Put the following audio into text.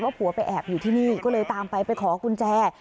ผัวไปแอบอยู่ที่นี่ก็เลยตามไปไปขอกุญแจ